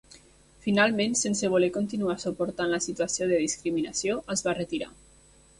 Finalment, sense voler continuar suportant la situació de discriminació, es va retirar.